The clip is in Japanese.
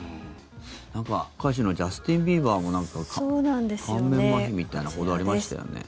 なんか歌手のジャスティン・ビーバーも顔面まひみたいな報道ありましたよね。